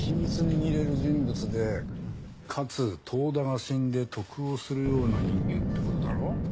握れる人物でかつ遠田が死んで得をするような人間って事だろ？